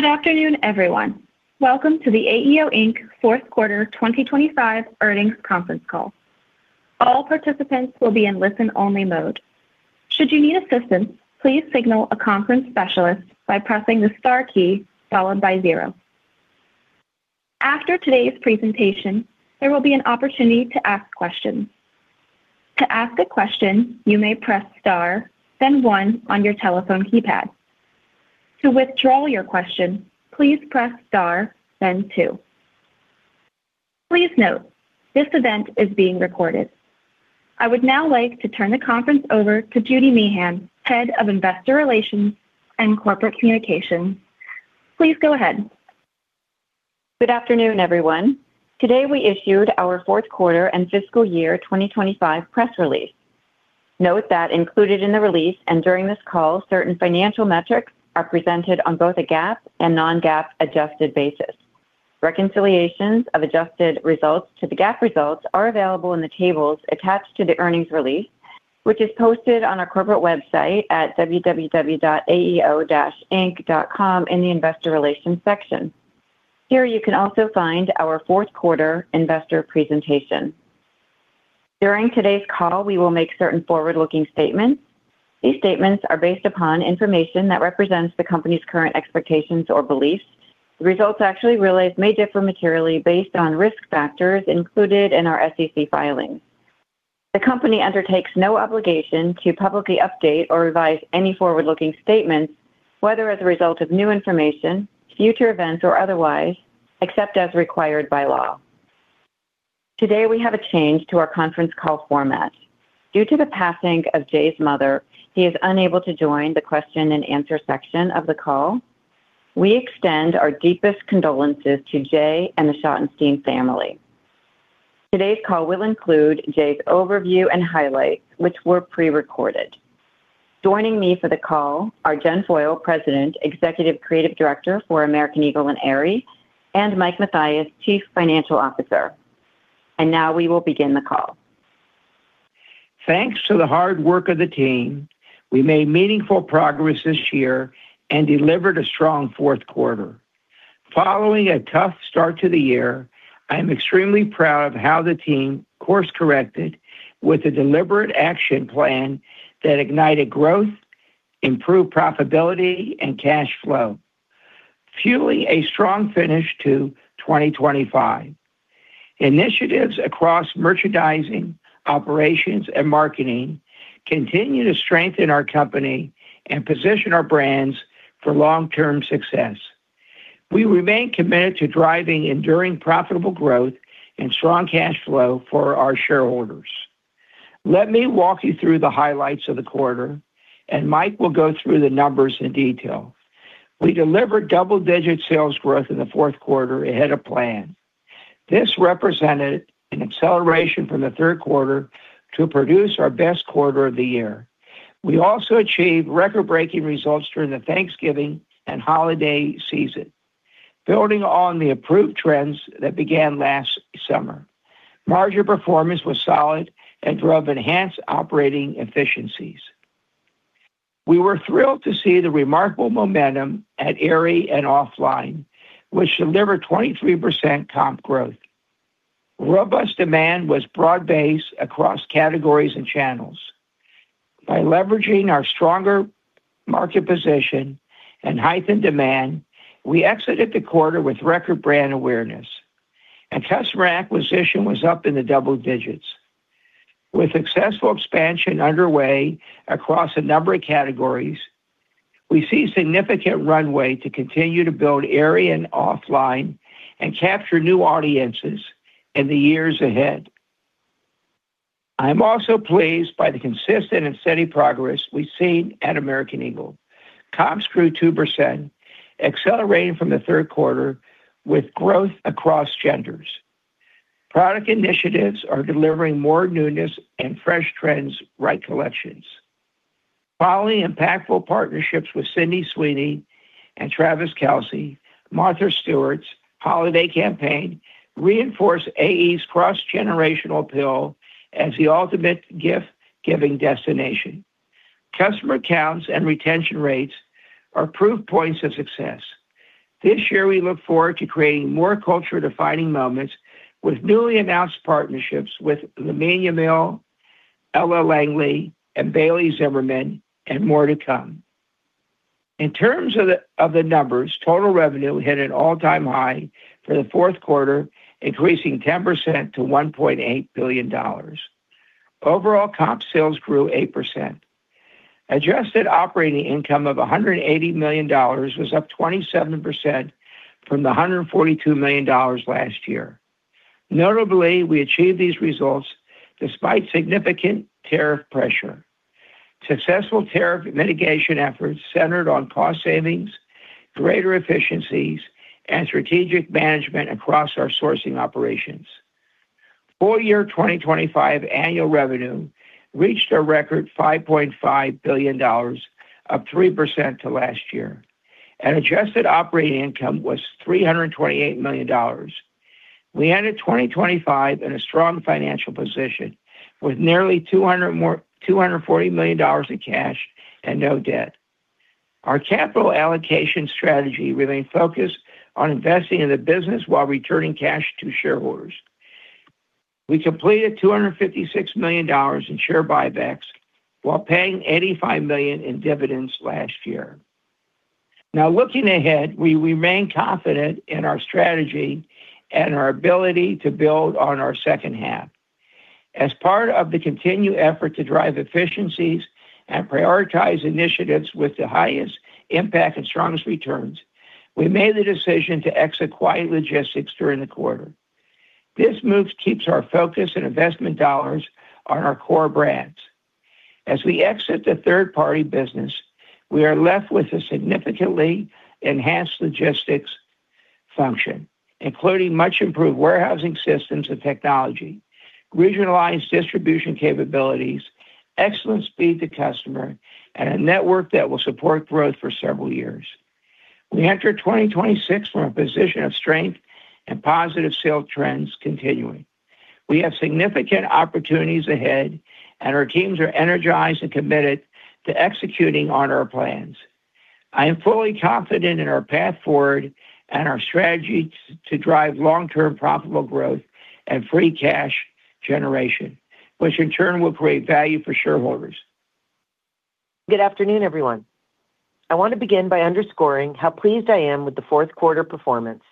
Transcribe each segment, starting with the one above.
Good afternoon, everyone. Welcome to the AEO Inc. fourth quarter 2025 earnings conference call. All participants will be in listen-only mode. Should you need assistance, please signal a conference specialist by pressing the star key followed by 0. After today's presentation, there will be an opportunity to ask questions. To ask a question, you may press Star, then one on your telephone keypad. To withdraw your question, please press Star, then two. Please note, this event is being recorded. I would now like to turn the conference over to Judy Meehan, Head of Investor Relations and Corporate Communications. Please go ahead. Good afternoon, everyone. Today, we issued our fourth quarter and fiscal year 2025 press release. Note that included in the release and during this call, certain financial metrics are presented on both a GAAP and non-GAAP adjusted basis. Reconciliations of adjusted results to the GAAP results are available in the tables attached to the earnings release, which is posted on our corporate website at www.aeo-inc.com in the investor relations section. Here, you can also find our fourth quarter investor presentation. During today's call, we will make certain forward-looking statements. These statements are based upon information that represents the company's current expectations or beliefs. Results actually realized may differ materially based on risk factors included in our SEC filings. The company undertakes no obligation to publicly update or revise any forward-looking statements, whether as a result of new information, future events, or otherwise, except as required by law. Today, we have a change to our conference call format. Due to the passing of Jay's mother, he is unable to join the question and answer section of the call. We extend our deepest condolences to Jay and the Schottenstein family. Today's call will include Jay's overview and highlights, which were pre-recorded. Joining me for the call are Jennifer Foyle, President, Executive Creative Director for American Eagle and Aerie, and Mike Matthias, Chief Financial Officer. Now we will begin the call. Thanks to the hard work of the team, we made meaningful progress this year and delivered a strong fourth quarter. Following a tough start to the year, I am extremely proud of how the team course-corrected with a deliberate action plan that ignited growth, improved profitability and cash flow, fueling a strong finish to 2025. Initiatives across merchandising, operations, and marketing continue to strengthen our company and position our brands for long-term success. We remain committed to driving enduring profitable growth and strong cash flow for our shareholders. Let me walk you through the highlights of the quarter, and Mike will go through the numbers in detail. We delivered double-digit sales growth in the fourth quarter ahead of plan. This represented an acceleration from the third quarter to produce our best quarter of the year. We also achieved record-breaking results during the Thanksgiving and holiday season, building on the approved trends that began last summer. Margin performance was solid and drove enhanced operating efficiencies. We were thrilled to see the remarkable momentum at Aerie and OFFLINE, which delivered 23% comp growth. Robust demand was broad-based across categories and channels. By leveraging our stronger market position and heightened demand, we exited the quarter with record brand awareness, and customer acquisition was up in the double-digits. With successful expansion underway across a number of categories, we see significant runway to continue to build Aerie and OFFLINE and capture new audiences in the years ahead. I am also pleased by the consistent and steady progress we've seen at American Eagle. Comps grew 2%, accelerating from the third quarter with growth across genders. Product initiatives are delivering more newness and fresh trends right collections. Impactful partnerships with Sydney Sweeney and Travis Kelce, Martha Stewart's holiday campaign reinforced AE's cross-generational appeal as the ultimate gift-giving destination. Customer counts and retention rates are proof points of success. This year, we look forward to creating more culture-defining moments with newly announced partnerships with Romania Mill, Ella Langley, and Bailey Zimmerman, and more to come. In terms of the numbers, total revenue hit an all-time high for the fourth quarter, increasing 10% to $1.8 billion. Overall comp sales grew 8%. Adjusted operating income of $180 million was up 27% from the $142 million last year. We achieved these results despite significant tariff pressure. Successful tariff mitigation efforts centered on cost savings, greater efficiencies, and strategic management across our sourcing operations. Full year 2025 annual revenue reached a record $5.5 billion, up 3% to last year. Adjusted operating income was $328 million. We ended 2025 in a strong financial position with nearly $240 million in cash and no debt. Our capital allocation strategy remained focused on investing in the business while returning cash to shareholders. We completed $256 million in share buybacks while paying $85 million in dividends last year. Looking ahead, we remain confident in our strategy and our ability to build on our second half. As part of the continued effort to drive efficiencies and prioritize initiatives with the highest impact and strongest returns, we made the decision to exit Quiet Logistics during the quarter. This move keeps our focus and investment dollars on our core brands. As we exit the third-party business, we are left with a significantly enhanced logistics function, including much-improved warehousing systems and technology, regionalized distribution capabilities, excellent speed to customer, and a network that will support growth for several years. We enter 2026 from a position of strength and positive sales trends continuing. We have significant opportunities ahead, and our teams are energized and committed to executing on our plans. I am fully confident in our path forward and our strategy to drive long-term profitable growth and free cash generation, which in turn will create value for shareholders. Good afternoon, everyone. I want to begin by underscoring how pleased I am with the fourth quarter performance.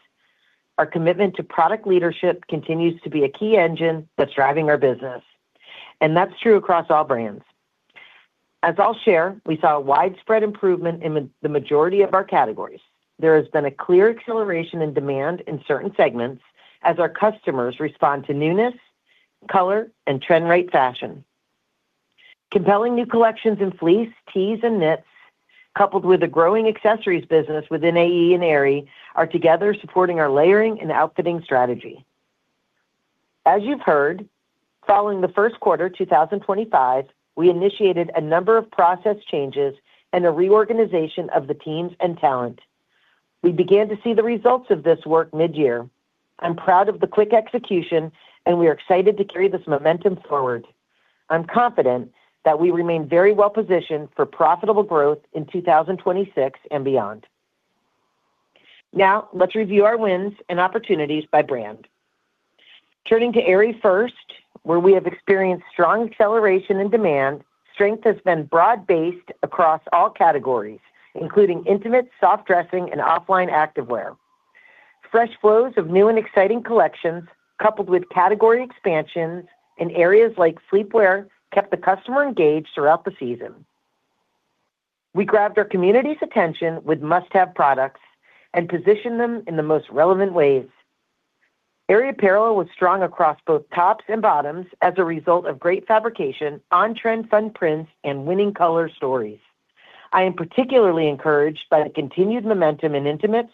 Our commitment to product leadership continues to be a key engine that's driving our business. That's true across all brands. As I'll share, we saw a widespread improvement in the majority of our categories. There has been a clear acceleration in demand in certain segments as our customers respond to newness, color, and trend-right fashion. Compelling new collections in fleece, tees, and knits, coupled with a growing accessories business within AE and Aerie, are together supporting our layering and outfitting strategy. As you've heard, following the first quarter 2025, we initiated a number of process changes and a reorganization of the teams and talent. We began to see the results of this work mid-year. I'm proud of the quick execution, and we are excited to carry this momentum forward. I'm confident that we remain very well positioned for profitable growth in 2026 and beyond. Now, let's review our wins and opportunities by brand. Turning to Aerie first, where we have experienced strong acceleration and demand, strength has been broad-based across all categories, including intimates, soft dressing, and offline activewear. Fresh flows of new and exciting collections coupled with category expansions in areas like sleepwear kept the customer engaged throughout the season. We grabbed our community's attention with must-have products and positioned them in the most relevant ways. Aerie apparel was strong across both tops and bottoms as a result of great fabrication, on-trend fun prints, and winning color stories. I am particularly encouraged by the continued momentum in intimates,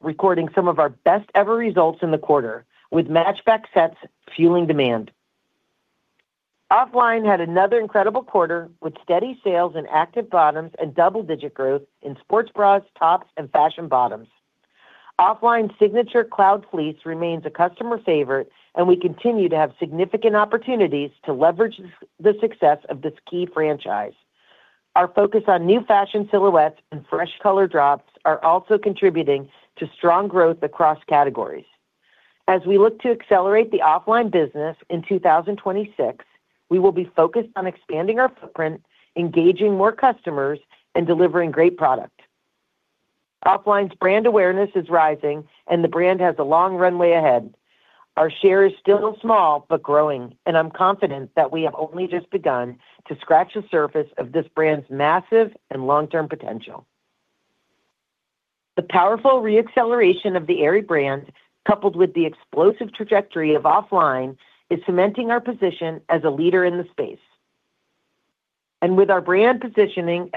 recording some of our best-ever results in the quarter, with matchback sets fueling demand. OFFLINE had another incredible quarter with steady sales in active bottoms and double-digit growth in sports bras, tops, and fashion bottoms. OFFLINE's signature Cloud Fleece remains a customer favorite, and we continue to have significant opportunities to leverage the success of this key franchise. Our focus on new fashion silhouettes and fresh color drops are also contributing to strong growth across categories. As we look to accelerate the OFFLINE business in 2026, we will be focused on expanding our footprint, engaging more customers, and delivering great product. OFFLINE's brand awareness is rising, and the brand has a long runway ahead. Our share is still small but growing, and I'm confident that we have only just begun to scratch the surface of this brand's massive and long-term potential. The powerful re-acceleration of the Aerie brand, coupled with the explosive trajectory of OFFLINE, is cementing our position as a leader in the space. With our brand positioning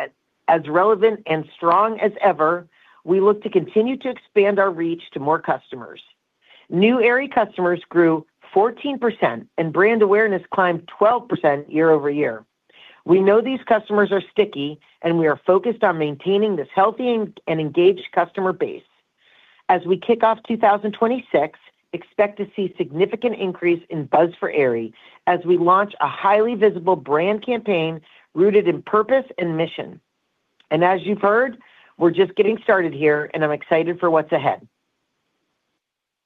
as relevant and strong as ever, we look to continue to expand our reach to more customers. New Aerie customers grew 14%, and brand awareness climbed 12% year-over-year. We know these customers are sticky, and we are focused on maintaining this healthy and engaged customer base. As we kick off 2026, expect to see significant increase in buzz for Aerie as we launch a highly visible brand campaign rooted in purpose and mission. As you've heard, we're just getting started here, and I'm excited for what's ahead.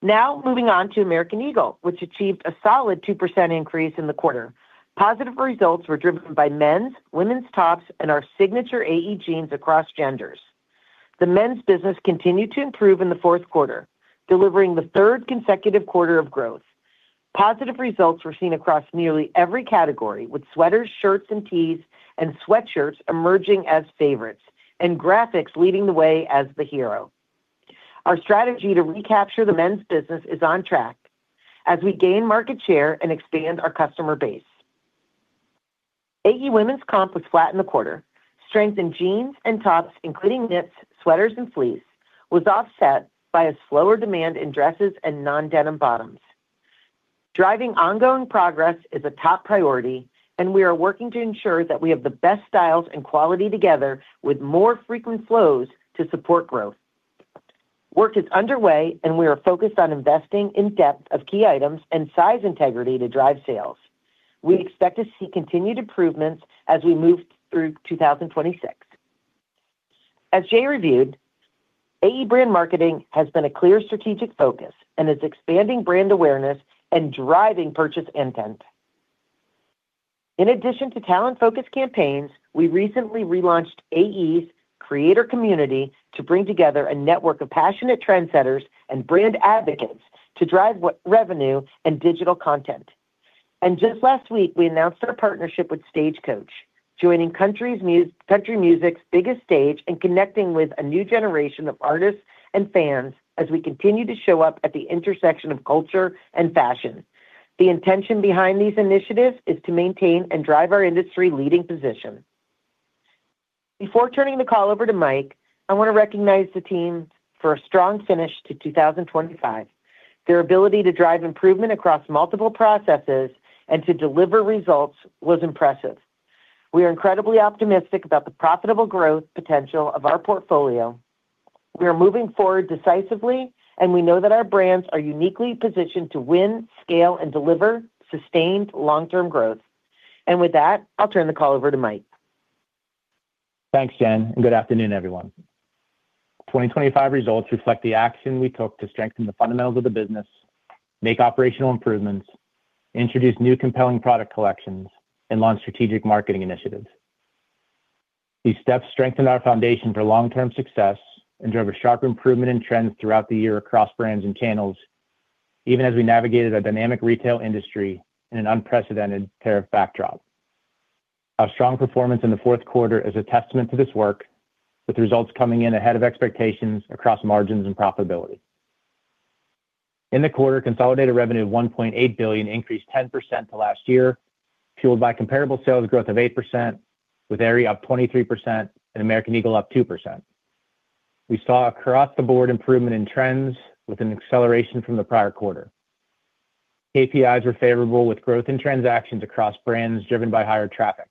Moving on to American Eagle, which achieved a solid 2% increase in the quarter. Positive results were driven by men's, women's tops, and our signature AE jeans across genders. The men's business continued to improve in the fourth quarter, delivering the third consecutive quarter of growth. Positive results were seen across nearly every category, with sweaters, shirts, and tees and sweatshirts emerging as favorites, and graphics leading the way as the hero. Our strategy to recapture the men's business is on track as we gain market share and expand our customer base. AE Women's comp was flat in the quarter. Strength in jeans and tops, including knits, sweaters, and fleece, was offset by a slower demand in dresses and non-denim bottoms. Driving ongoing progress is a top priority, and we are working to ensure that we have the best styles and quality together with more frequent flows to support growth. Work is underway, and we are focused on investing in depth of key items and size integrity to drive sales. We expect to see continued improvements as we move through 2026. As Jay reviewed, AE brand marketing has been a clear strategic focus and is expanding brand awareness and driving purchase intent. In addition to talent-focused campaigns, we recently relaunched AE's Creator Community to bring together a network of passionate trendsetters and brand advocates to drive revenue and digital content. Just last week, we announced our partnership with Stagecoach, joining country music's biggest stage and connecting with a new generation of artists and fans as we continue to show up at the intersection of culture and fashion. The intention behind these initiatives is to maintain and drive our industry-leading position. Before turning the call over to Mike, I want to recognize the team for a strong finish to 2025. Their ability to drive improvement across multiple processes and to deliver results was impressive. We are incredibly optimistic about the profitable growth potential of our portfolio. We are moving forward decisively, and we know that our brands are uniquely positioned to win, scale, and deliver sustained long-term growth. With that, I'll turn the call over to Mike. Thanks, Jen. Good afternoon, everyone. 2025 results reflect the action we took to strengthen the fundamentals of the business, make operational improvements, introduce new compelling product collections, and launch strategic marketing initiatives. These steps strengthened our foundation for long-term success and drove a sharp improvement in trends throughout the year across brands and channels, even as we navigated a dynamic retail industry in an unprecedented tariff backdrop. Our strong performance in the fourth quarter is a testament to this work, with results coming in ahead of expectations across margins and profitability. In the quarter, consolidated revenue of $1.8 billion increased 10% to last year, fueled by comparable sales growth of 8%, with Aerie up 23% and American Eagle up 2%. We saw across-the-board improvement in trends with an acceleration from the prior quarter. KPIs were favorable with growth in transactions across brands driven by higher traffic.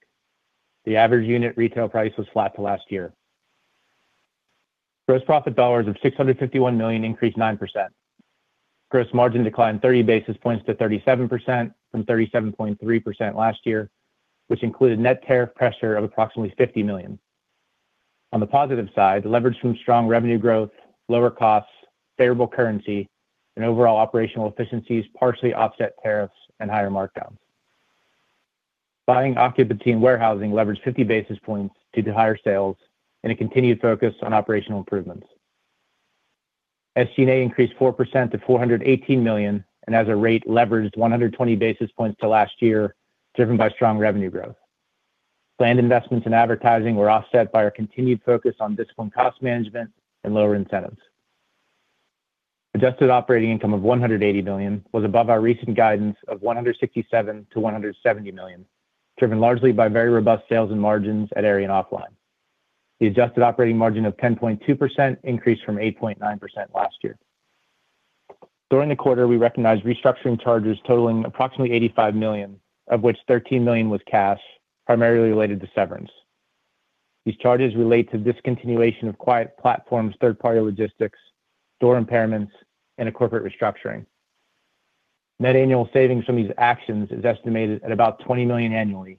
The average unit retail price was flat to last year. Gross profit dollars of $651 million increased 9%. Gross margin declined 30 basis points to 37% from 37.3% last year, which included net tariff pressure of approximately $50 million. On the positive side, the leverage from strong revenue growth, lower costs, favorable currency, and overall operational efficiencies partially offset tariffs and higher markdowns. Buying occupancy and warehousing leveraged 50 basis points due to higher sales and a continued focus on operational improvements. SG&A increased 4% to $418 million, and as a rate, leveraged 120 basis points to last year, driven by strong revenue growth. Planned investments in advertising were offset by our continued focus on disciplined cost management and lower incentives. Adjusted operating income of $180 million was above our recent guidance of $167 million-$170 million, driven largely by very robust sales and margins at Aerie and OFFLINE. The adjusted operating margin of 10.2% increased from 8.9% last year. During the quarter, we recognized restructuring charges totaling approximately $85 million, of which $13 million was cash, primarily related to severance. These charges relate to discontinuation of Quiet Platforms, third-party logistics, store impairments, and a corporate restructuring. Net annual savings from these actions is estimated at about $20 million annually,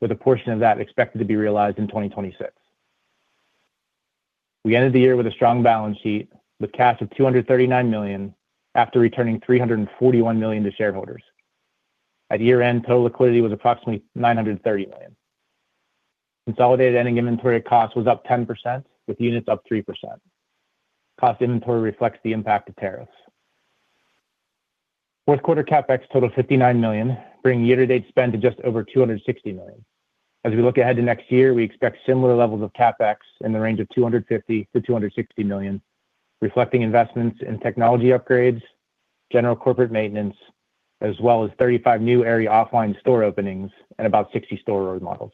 with a portion of that expected to be realized in 2026. We ended the year with a strong balance sheet with cash of $239 million after returning $341 million to shareholders. At year-end, total liquidity was approximately $930 million. Consolidated ending inventory cost was up 10%, with units up 3%. Cost inventory reflects the impact of tariffs. Fourth quarter CapEx totaled $59 million, bringing year-to-date spend to just over $260 million. We look ahead to next year, we expect similar levels of CapEx in the range of $250 million-$260 million, reflecting investments in technology upgrades, general corporate maintenance, as well as 35 new Aerie OFFLINE store openings and about 60 store remodels.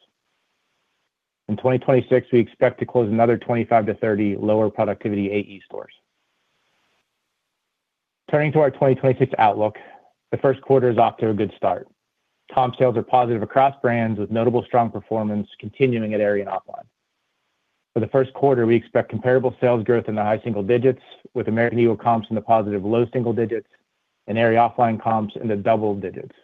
2026, we expect to close another 25-30 lower productivity AE stores. To our 2026 outlook, the first quarter is off to a good start. Comp sales are positive across brands, with notable strong performance continuing at Aerie and OFFLINE. For the first quarter, we expect comparable sales growth in the high single digits with American Eagle comps in the positive low single digits and Aerie OFFLINE comps in the double-digits.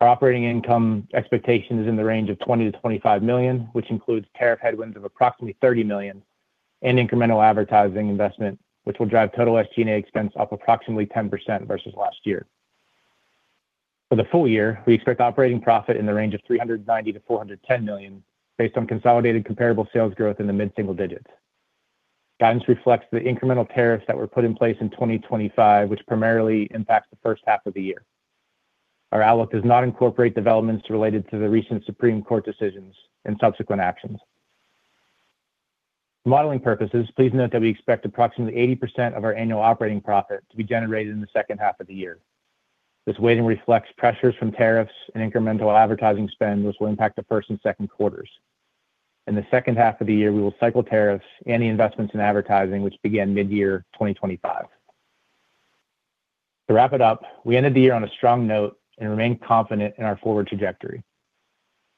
Our operating income expectation is in the range of $20 million-$25 million, which includes tariff headwinds of approximately $30 million and incremental advertising investment, which will drive total SG&A expense up approximately 10% versus last year. For the full year, we expect operating profit in the range of $390 million-$410 million, based on consolidated comparable sales growth in the mid-single digits. Guidance reflects the incremental tariffs that were put in place in 2025, which primarily impacts the first half of the year. Our outlook does not incorporate developments related to the recent Supreme Court decisions and subsequent actions. For modeling purposes, please note that we expect approximately 80% of our annual operating profit to be generated in the second half of the year. This weighting reflects pressures from tariffs and incremental advertising spend, which will impact the first and second quarters. In the second half of the year, we will cycle tariffs, any investments in advertising, which began mid-year 2025. To wrap it up, we ended the year on a strong note and remain confident in our forward trajectory.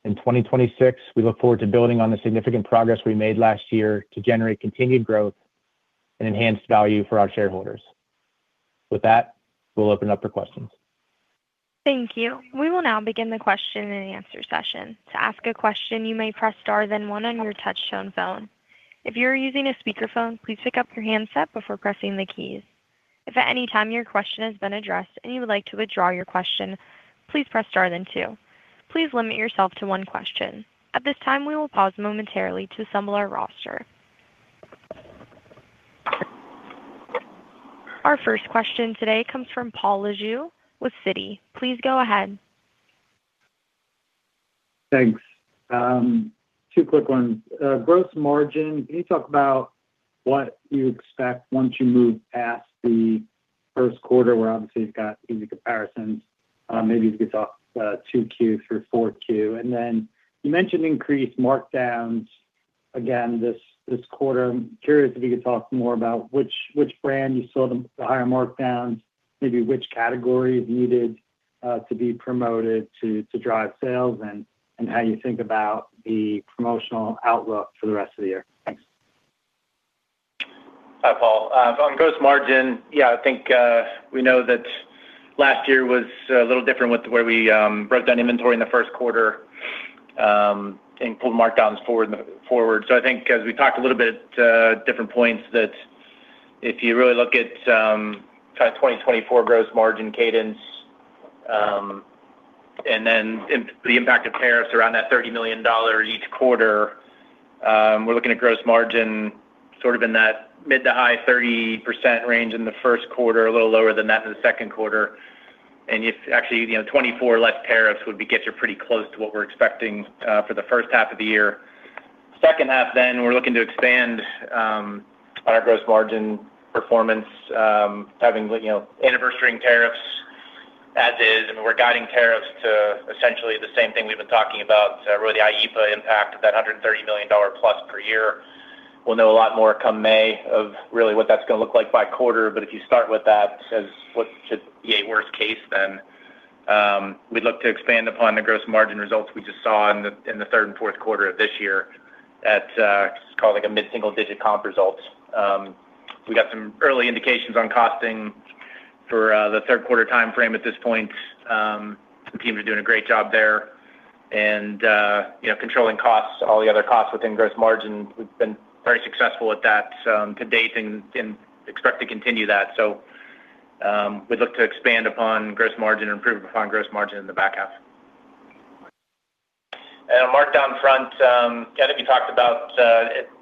In 2026, we look forward to building on the significant progress we made last year to generate continued growth and enhanced value for our shareholders. With that, we'll open up for questions. Thank you. We will now begin the question and answer session. To ask a question, you may press star then one on your touch-tone phone. If you're using a speakerphone, please pick up your handset before pressing the keys. If at any time your question has been addressed and you would like to withdraw your question, please press star then two. Please limit yourself to one question. At this time, we will pause momentarily to assemble our roster. Our first question today comes from Paul Lejuez with Citi. Please go ahead. Thanks. Two quick ones. Gross margin. Can you talk about what you expect once you move past the first quarter where obviously you've got easy comparisons? Maybe if you could talk 2Q through 4Q. Then you mentioned increased markdowns again this quarter. I'm curious if you could talk more about which brand you saw the higher markdowns, maybe which categories needed to be promoted to drive sales and how you think about the promotional outlook for the rest of the year. Thanks. Hi, Paul. On gross margin, I think we know that last year was a little different with where we wrote down inventory in the first quarter and pulled markdowns forward. I think as we talked a little bit at different points that if you really look at kind of 2024 gross margin cadence, and then the impact of tariffs around that $30 million each quarter, we're looking at gross margin sort of in that mid-to-high 30% range in the first quarter, a little lower than that in the second quarter. If actually, you know, 2024 less tariffs gets you pretty close to what we're expecting for the first half of the year. Second half, we're looking to expand our gross margin performance, having, you know, anniversary-ing tariffs as is. We're guiding tariffs to essentially the same thing we've been talking about, really the IEEPA impact of that $130 million plus per year. We'll know a lot more come May of really what that's gonna look like by quarter. If you start with that as what should be a worst case, then we'd look to expand upon the gross margin results we just saw in the third and fourth quarter of this year at call it like a mid-single digit comp results. We got some early indications on costing for the third quarter timeframe at this point. The teams are doing a great job there and, you know, controlling costs, all the other costs within gross margin. We've been very successful with that to date and expect to continue that. We'd look to expand upon gross margin and improve upon gross margin in the back half. On markdown front, yeah, I think we talked about,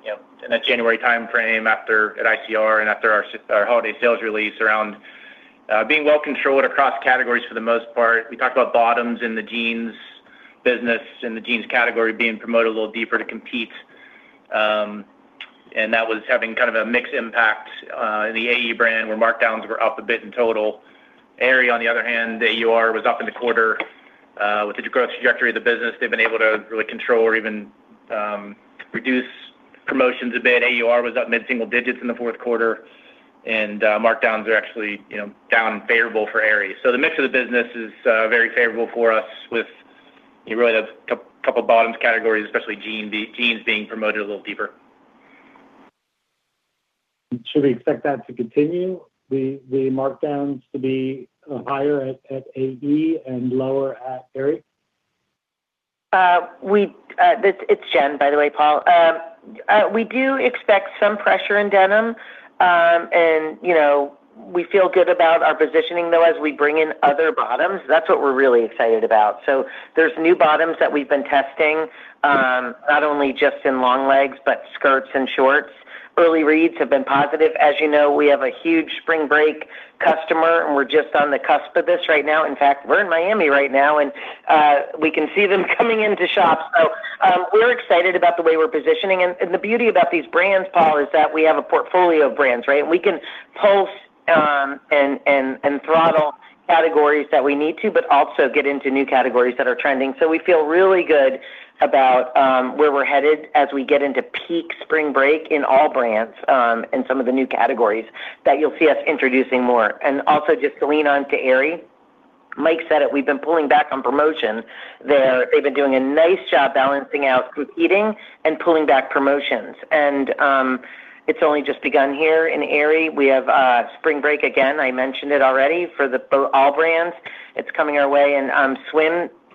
you know, in the January timeframe at ICR and after our holiday sales release around being well controlled across categories for the most part. We talked about bottoms in the jeans business, in the jeans category being promoted a little deeper to compete. That was having kind of a mixed impact in the AE brand, where markdowns were up a bit in total. Aerie on the other hand, the AUR was up in the quarter. With the growth trajectory of the business, they've been able to really control or even reduce promotions a bit. AUR was up mid-single digits in the fourth quarter, and markdowns are actually, you know, down favorable for Aerie. The mix of the business is very favorable for us with really a couple bottoms categories, especially jeans being promoted a little deeper. Should we expect that to continue, the markdowns to be higher at AE and lower at Aerie? It's Jen, by the way, Paul. We do expect some pressure in denim. You know, we feel good about our positioning though, as we bring in other bottoms. That's what we're really excited about. There's new bottoms that we've been testing, not only just in long legs, but skirts and shorts. Early reads have been positive. As you know, we have a huge spring break customer, and we're just on the cusp of this right now. In fact, we're in Miami right now, and we can see them coming into shops. We're excited about the way we're positioning. The beauty about these brands, Paul, is that we have a portfolio of brands, right? We can pulse, and throttle categories that we need to, but also get into new categories that are trending. We feel really good about where we're headed as we get into peak spring break in all brands, and some of the new categories that you'll see us introducing more. Also just to lean on to Aerie, Mike said it, we've been pulling back on promotions. They've been doing a nice job balancing out competing and pulling back promotions. It's only just begun here in Aerie. We have spring break again, I mentioned it already, for all brands. It's coming our way.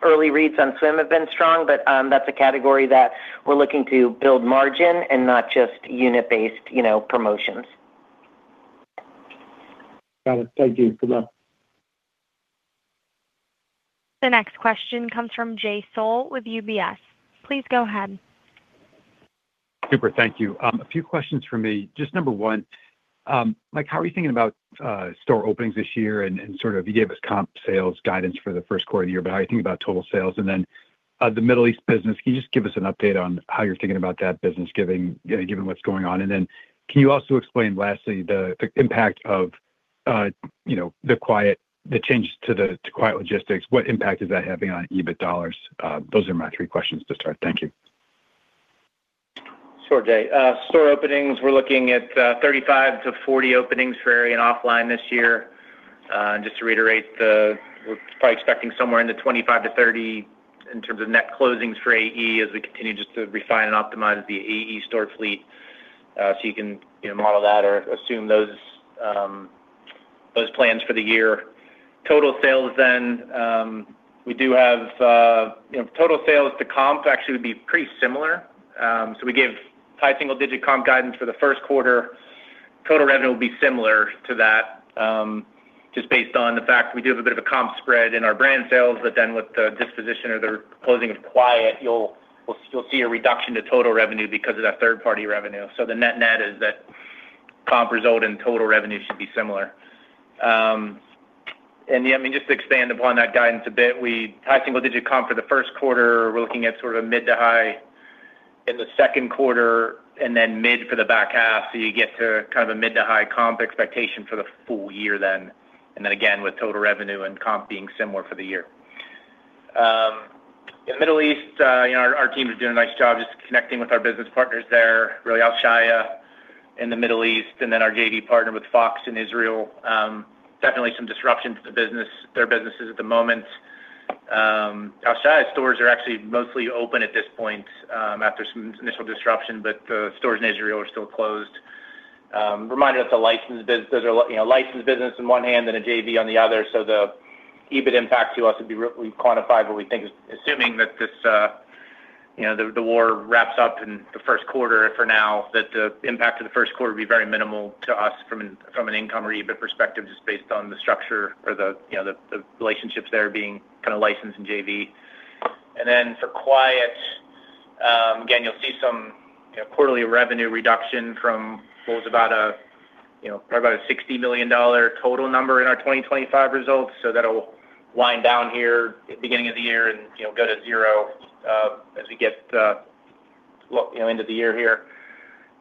Early reads on swim have been strong, but that's a category that we're looking to build margin and not just unit-based, you know, promotions. Got it. Thank you. Good luck. The next question comes from Jay Sole with UBS. Please go ahead. Super. Thank you. A few questions from me. Just number one, Mike, how are you thinking about store openings this year? Sort of you gave us comp sales guidance for the first quarter of the year, but how are you thinking about total sales? Then the Middle East business, can you just give us an update on how you're thinking about that business you know, given what's going on? Then can you also explain lastly the impact of. You know, the change to Quiet Logistics, what impact is that having on EBITDA $? Those are my three questions to start. Thank you. Sure, Jay. store openings, we're looking at 35-40 openings for Aerie and OFFLINE this year. Just to reiterate, we're probably expecting somewhere in the 25-30 in terms of net closings for AE as we continue just to refine and optimize the AE store fleet. You can, you know, model that or assume those plans for the year. Total sales, we do have, you know, total sales to comp actually would be pretty similar. We gave high single-digit comp guidance for the first quarter. Total revenue will be similar to that, just based on the fact we do have a bit of a comp spread in our brand sales. With the disposition or the closing of Quiet, you'll see a reduction to total revenue because of that third-party revenue. The net-net is that comp result and total revenue should be similar. Yeah, I mean, just to expand upon that guidance a bit, high single-digit comp for the first quarter, we're looking at sort of mid-to-high in the second quarter and then mid for the back half. You get to kind of a mid-to-high comp expectation for the full year then. Again, with total revenue and comp being similar for the year. In the Middle East, you know, our team is doing a nice job just connecting with our business partners there, really Alshaya in the Middle East and then our JV partner with Fox in Israel. Definitely some disruption to their businesses at the moment. Alshaya stores are actually mostly open at this point, after some initial disruption, but the stores in Israel are still closed. Remind you that's a licensed, you know, business on one hand and a JV on the other. The EBITDA impact to us would be we quantified what we think is assuming that this, you know, the war wraps up in the first quarter for now, that the impact of the first quarter would be very minimal to us from an, from an income or EBITDA perspective, just based on the structure or the, you know, relationships there being kinda licensed in JV. For Quiet, again, you'll see some, you know, quarterly revenue reduction from what was about a, you know, probably about a $60 million total number in our 2025 results. That'll wind down here at the beginning of the year and, you know, go to 0, as we get, you know, end of the year here.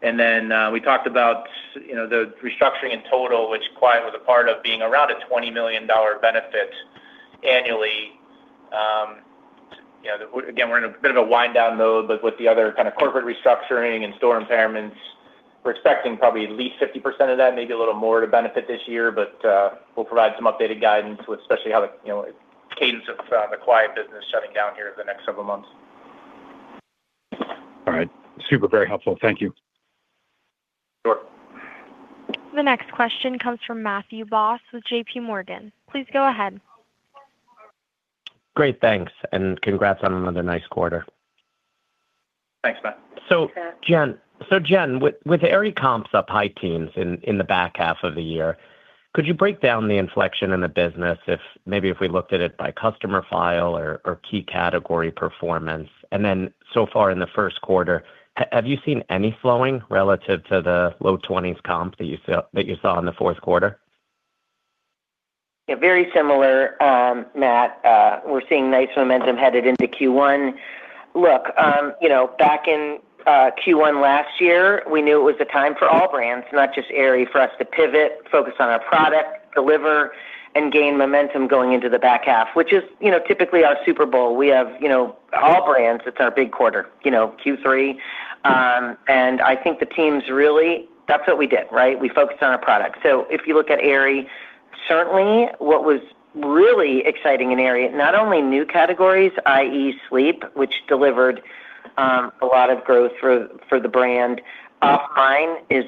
We talked about, you know, the restructuring in total, which Quiet was a part of being around a $20 million benefit annually. You know, again, we're in a bit of a wind down mode, but with the other kind of corporate restructuring and store impairments, we're expecting probably at least 50% of that, maybe a little more to benefit this year. We'll provide some updated guidance with especially how the, you know, cadence of the Quiet business shutting down here in the next several months. All right. Super helpful. Thank you. Sure. The next question comes from Matthew Boss with J.P. Morgan. Please go ahead. Great, thanks. Congrats on another nice quarter. Thanks, Matt. So, Jen, with Aerie comps up high teens in the back half of the year, could you break down the inflection in the business if maybe if we looked at it by customer file or key category performance? Then so far in the first quarter, have you seen any flowing relative to the low twenties comps that you saw in the fourth quarter? Yeah. Very similar, Matt. We're seeing nice momentum headed into Q1. Look, you know, back in Q1 last year, we knew it was the time for all brands, not just Aerie, for us to pivot, focus on our product, deliver, and gain momentum going into the back half, which is, you know, typically our Super Bowl. We have, you know, all brands, it's our big quarter, you know, Q3. I think the teams really. That's what we did, right? We focused on our product. If you look at Aerie, certainly what was really exciting in Aerie, not only new categories, i.e. sleep, which delivered a lot of growth for the brand. Offline is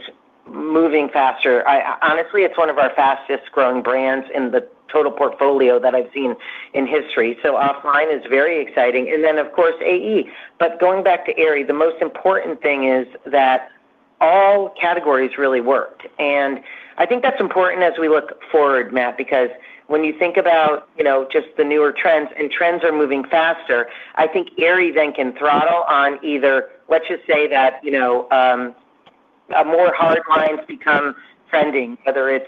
moving faster. Honestly, it's one of our fastest growing brands in the total portfolio that I've seen in history. Offline is very exciting. And then of course, AE. Going back to Aerie, the most important thing is that all categories really worked. I think that's important as we look forward, Matt, because when you think about, you know, just the newer trends, and trends are moving faster, I think Aerie then can throttle on either, let's just say that, you know, a more hard lines become trending, whether it's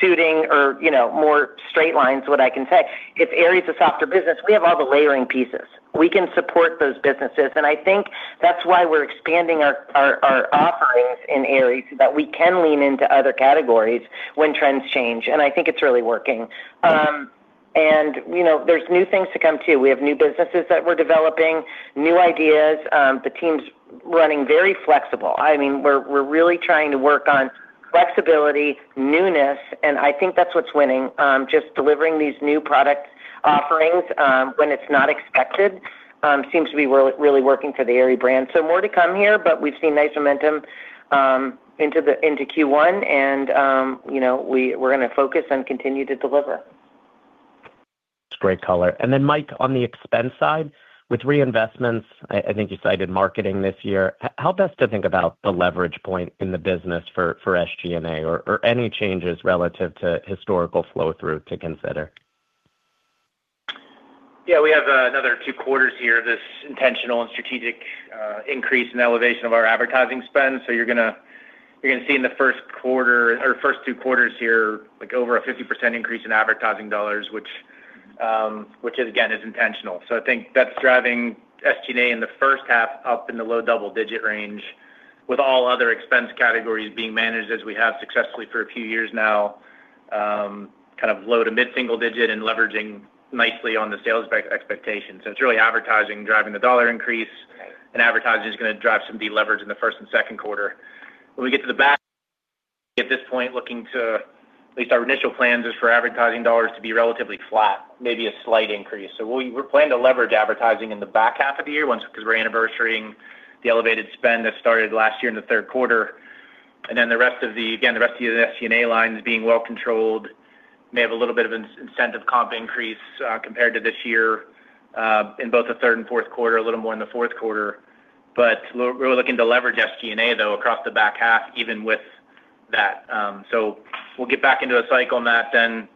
shooting or, you know, more straight lines, what I can say. If Aerie is a softer business, we have all the layering pieces. We can support those businesses. I think that's why we're expanding our offerings in Aerie so that we can lean into other categories when trends change. I think it's really working. You know, there's new things to come, too. We have new businesses that we're developing, new ideas. The team's running very flexible. I mean, we're really trying to work on flexibility, newness, and I think that's what's winning. Just delivering these new product offerings, when it's not expected, seems to be really working for the Aerie brand. More to come here, but we've seen nice momentum into Q1 and, you know, we're gonna focus and continue to deliver. That's great color. Then Mike, on the expense side, with reinvestments, I think you cited marketing this year. How best to think about the leverage point in the business for SG&A or any changes relative to historical flow through to consider? We have another two quarters here, this intentional and strategic increase in elevation of our advertising spend. You're gonna, you're gonna see in the first quarter or first two quarters here, like, over a 50% increase in advertising dollars, which again is intentional. I think that's driving SG&A in the first half up in the low double-digit range with all other expense categories being managed as we have successfully for a few years now, kind of low to mid-single digit and leveraging nicely on the sales expectations. It's really advertising driving the dollar increase, and advertising is gonna drive some deleverage in the first and second quarter. When we get to the back at this point, looking to, at least our initial plans, is for advertising dollars to be relatively flat, maybe a slight increase. We plan to leverage advertising in the back half of the year once, 'cause we're anniversarying the elevated spend that started last year in the third quarter. The rest of the, again, the rest of the SG&A lines being well controlled. May have a little bit of an incentive comp increase compared to this year in both the third and fourth quarter, a little more in the fourth quarter. We're looking to leverage SG&A though across the back half even with that. We'll get back into a cycle on that then,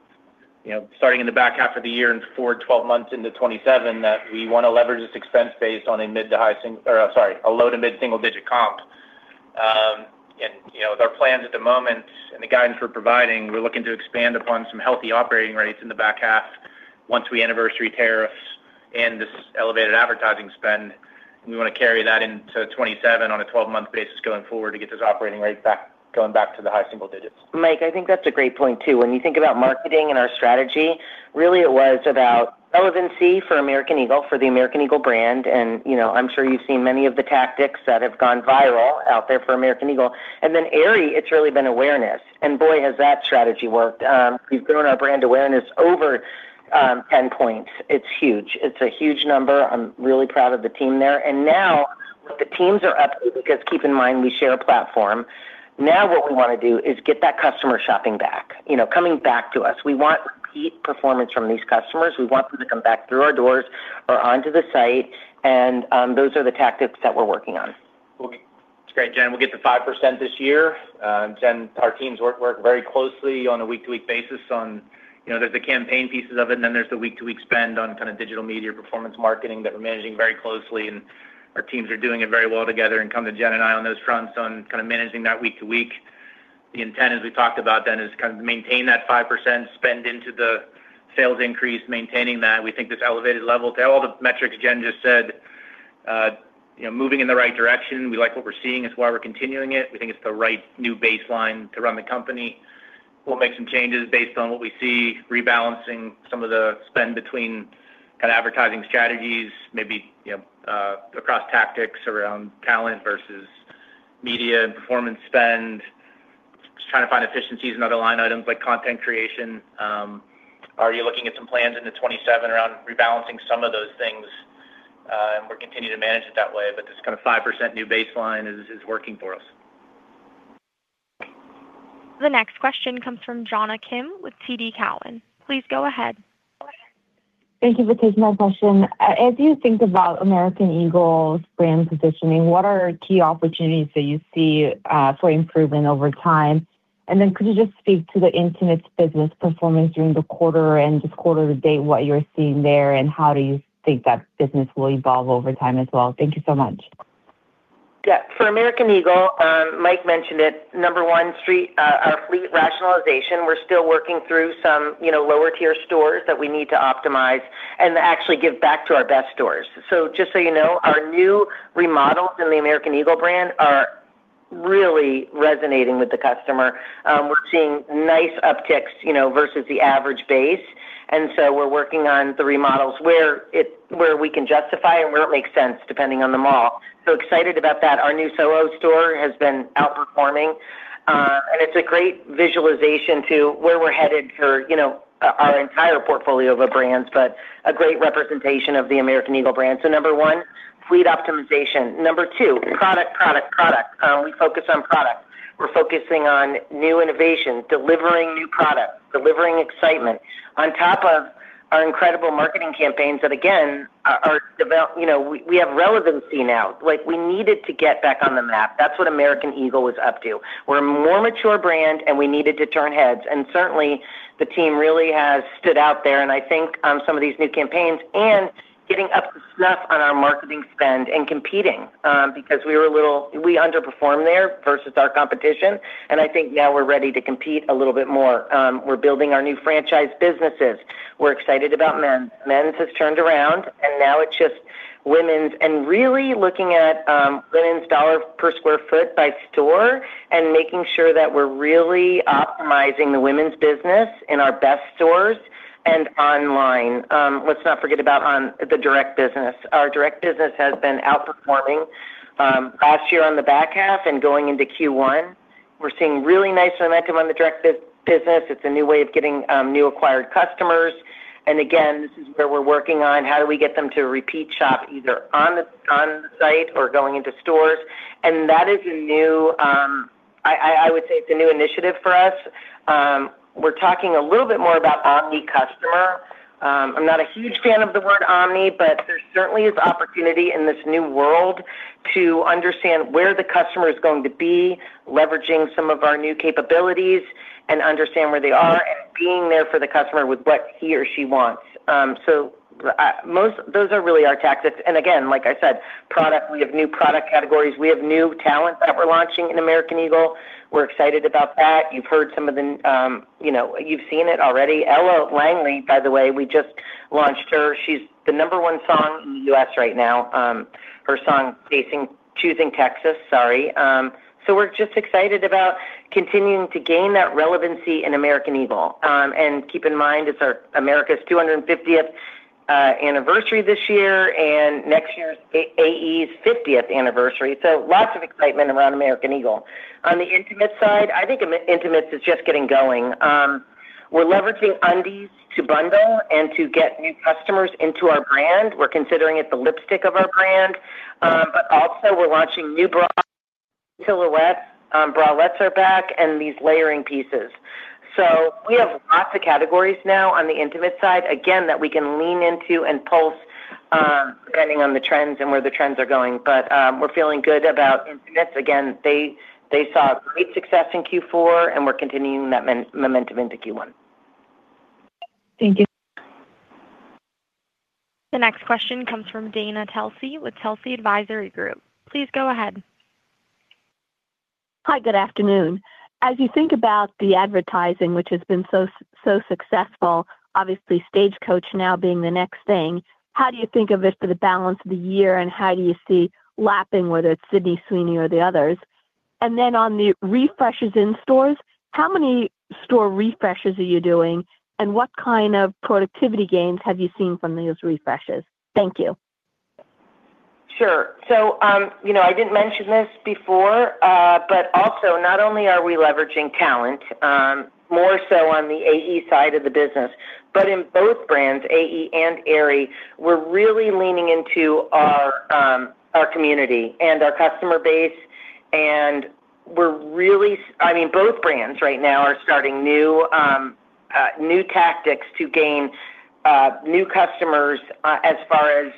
you know, starting in the back half of the year and forward 12 months into 2027 that we wanna leverage this expense base on a low to mid-single-digit comp. You know, with our plans at the moment and the guidance we're providing, we're looking to expand upon some healthy operating rates in the back half once we anniversary tariffs and this elevated advertising spend. We wanna carry that into 2027 on a 12-month basis going forward to get those operating rates back to the high single digits. Mike, I think that's a great point too. When you think about marketing and our strategy, really it was about relevancy for American Eagle, for the American Eagle brand. You know, I'm sure you've seen many of the tactics that have gone viral out there for American Eagle. Then Aerie, it's really been awareness. Boy, has that strategy worked. We've grown our brand awareness over 10 points. It's huge. It's a huge number. I'm really proud of the team there. Now the teams are up because keep in mind, we share a platform. Now what we wanna do is get that customer shopping back, you know, coming back to us. We want repeat performance from these customers. We want them to come back through our doors or onto the site, and those are the tactics that we're working on. Okay. That's great, Jen. We'll get to 5% this year. Jen, our teams work very closely on a week-to-week basis on, you know, there's the campaign pieces of it, and then there's the week-to-week spend on kinda digital media performance marketing that we're managing very closely. Our teams are doing it very well together and come to Jen and I on those fronts on kind of managing that week-to-week. The intent, as we talked about then, is kind of to maintain that 5% spend into the sales increase, maintaining that. We think this elevated level, all the metrics Jen just said, you know, moving in the right direction. We like what we're seeing. It's why we're continuing it. We think it's the right new baseline to run the company. We'll make some changes based on what we see, rebalancing some of the spend between kinda advertising strategies, maybe, you know, across tactics around talent versus media and performance spend. Just trying to find efficiencies in other line items like content creation. Are you looking at some plans into 2027 around rebalancing some of those things, and we'll continue to manage it that way? This kinda 5% new baseline is working for us. The next question comes from Jonna Kim with TD Cowen. Please go ahead. Thank you for taking my question. As you think about American Eagle's brand positioning, what are key opportunities that you see for improvement over time? Then could you just speak to the intimate business performance during the quarter and just quarter-to-date, what you're seeing there, and how do you think that business will evolve over time as well? Thank you so much. Yeah. For American Eagle, Mike mentioned it, number one, our fleet rationalization. We're still working through some, you know, lower tier stores that we need to optimize and actually give back to our best stores. Just so you know, our new remodels in the American Eagle brand are really resonating with the customer. We're seeing nice upticks, you know, versus the average base. We're working on the remodels where we can justify and where it makes sense, depending on the mall. Excited about that. Our new Soho store has been outperforming, and it's a great visualization to where we're headed for, you know, our entire portfolio of our brands, but a great representation of the American Eagle brand. Number one, fleet optimization. Number two, product, product. We focus on product. We're focusing on new innovation, delivering new product, delivering excitement on top of our incredible marketing campaigns that again, are, you know, we have relevancy now. Like, we needed to get back on the map. That's what American Eagle was up to. We're a more mature brand, we needed to turn heads. Certainly, the team really has stood out there, and I think some of these new campaigns and getting up to snuff on our marketing spend and competing, because we were a little. We underperformed there versus our competition, and I think now we're ready to compete a little bit more. We're building our new franchise businesses. We're excited about men's. Men's has turned around, and now it's just women's. Really looking at women's dollar per square foot by store and making sure that we're really optimizing the women's business in our best stores and online. Let's not forget about the direct business. Our direct business has been outperforming last year on the back half and going into Q1. We're seeing really nice momentum on the direct business. It's a new way of getting new acquired customers. Again, this is where we're working on how do we get them to repeat shop either on the site or going into stores. That is a new initiative for us. We're talking a little bit more about omni customer. I'm not a huge fan of the word omni. There certainly is opportunity in this new world to understand where the customer is going to be leveraging some of our new capabilities and understand where they are and being there for the customer with what he or she wants. Those are really our tactics. Again, like I said, product, we have new product categories. We have new talent that we're launching in American Eagle. We're excited about that. You've heard some of the, you know... You've seen it already. Ella Langley, by the way, we just launched her. She's the number one song in the U.S. right now, her song, Choosin' Texas, sorry. We're just excited about continuing to gain that relevancy in American Eagle. Keep in mind, it's America's 250th anniversary this year, next year's AE's 50th anniversary. Lots of excitement around American Eagle. On the intimates side, I think intimates is just getting going. We're leveraging undies to bundle and to get new customers into our brand. We're considering it the lipstick of our brand. Also we're launching new bra silhouettes. Bralettes are back and these layering pieces. We have lots of categories now on the intimates side, again, that we can lean into and pulse, depending on the trends and where the trends are going. We're feeling good about intimates. Again, they saw great success in Q4, and we're continuing that momentum into Q1. Thank you. The next question comes from Dana Telsey with Telsey Advisory Group. Please go ahead. Hi, good afternoon. As you think about the advertising, which has been so successful, obviously Stagecoach now being the next thing, how do you think of it for the balance of the year, and how do you see lapping, whether it's Sydney Sweeney or the others? On the refreshes in stores, how many store refreshes are you doing, and what kind of productivity gains have you seen from these refreshes? Thank you. Sure. You know, I didn't mention this before, also not only are we leveraging talent, more so on the AE side of the business, but in both brands, AE and Aerie, we're really leaning into our community and our customer base, and we're really. I mean, both brands right now are starting new tactics to gain new customers as far as.